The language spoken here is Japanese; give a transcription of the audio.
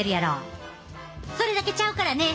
それだけちゃうからね！